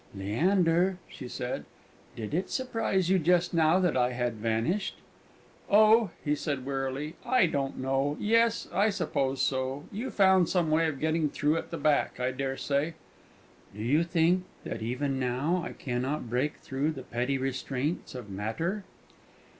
"Leander," she said, "did it surprise you just now that I had vanished?" "Oh," he said wearily, "I don't know yes, I suppose so. You found some way of getting through at the back, I dare say?" "Do you think that even now I cannot break through the petty restraints of matter?"